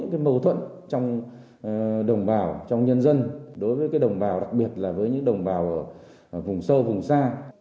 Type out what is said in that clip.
những mâu thuẫn trong đồng bào trong nhân dân đối với đồng bào đặc biệt là với những đồng bào ở vùng sâu vùng xa